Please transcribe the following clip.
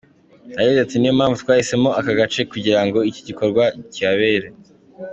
Yagize ati “Niyo mpamvu twahisemo aka gace kugirango iki gikorwa kihabere.